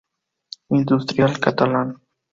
Industrial catalán.